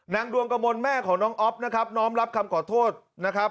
ดวงกระมวลแม่ของน้องอ๊อฟนะครับน้อมรับคำขอโทษนะครับ